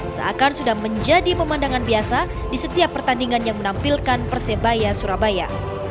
seakan sudah menjadi pemandangan biasa di setiap pertandingan yang menampilkan persebaya surabaya